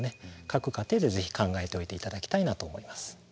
各家庭でぜひ考えておいて頂きたいなと思います。